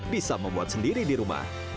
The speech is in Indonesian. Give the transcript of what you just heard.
bisa membuat sendiri di rumah